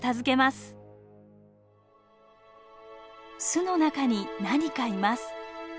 巣の中に何かいます。